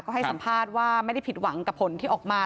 ก็ให้สัมภาษณ์ว่าไม่ได้ผิดหวังกับผลที่ออกมา